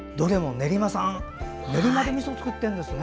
練馬でみそを作っているんですね。